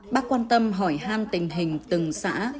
bác quan tâm hỏi han tình hình từng xã